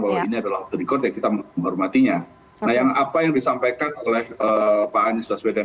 bahwa ini adalah berikut ya kita menghormatinya nah yang apa yang disampaikan oleh pak anies baswedan